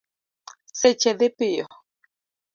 Seche dhi piyo